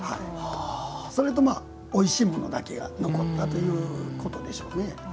それとおいしいものだけが残ったということでしょうね。